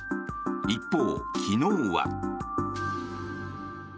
一方、昨日は。